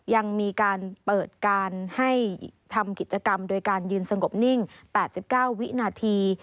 ยังมีการเปิดการให้ทำกิจกรรมโดยการยืนสงบนิ่ง๘๙วินาที